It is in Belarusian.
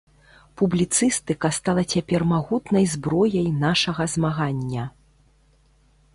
Публіцыстыка стала цяпер магутнай зброяй нашага змагання.